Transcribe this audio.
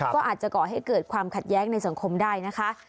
ก็อาจจะก่อให้เกิดความขัดแย้งในสังคมได้นะคะ